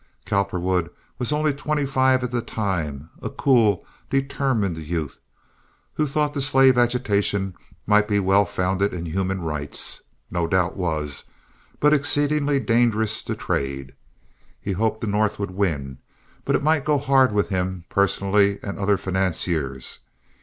Cowperwood was only twenty five at the time, a cool, determined youth, who thought the slave agitation might be well founded in human rights—no doubt was—but exceedingly dangerous to trade. He hoped the North would win; but it might go hard with him personally and other financiers.